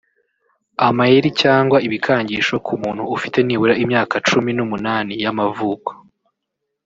amayeri cyangwa ibikangisho ku muntu ufite nibura imyaka cumi n’umunani y’amavuko